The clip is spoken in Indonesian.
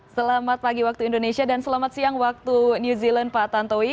selamat pagi waktu indonesia dan selamat siang waktu new zealand pak tantowi